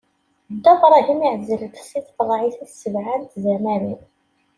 Dda Bṛahim iɛezl-d si tqeḍɛit-is sebɛa n tzamarin.